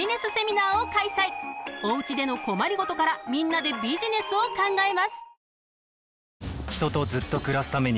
［おうちでの困り事からみんなでビジネスを考えます］